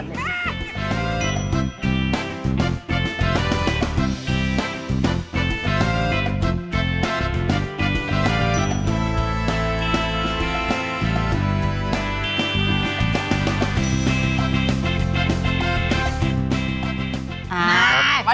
ชอบ